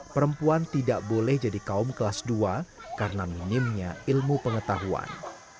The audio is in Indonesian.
perempuan tidak boleh jadi kaum kelas dua karena minimnya ilmu pengetahuan